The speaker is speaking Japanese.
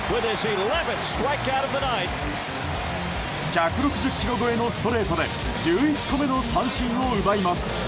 １６０キロ超えのストレートで１１個目の三振を奪います。